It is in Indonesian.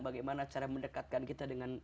bagaimana cara mendekatkan kita dengan